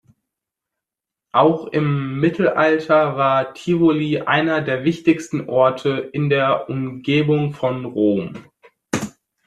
Auch im Mittelalter war Tivoli einer der wichtigsten Orte in der Umgebung von Rom.